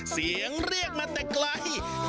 เสียงเรียกมาแต่ไกล